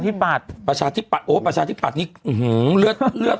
ที่ปัดประชาที่ปัดโอ้ประชาที่ปัดนี่อื้อหูเลือดเลือด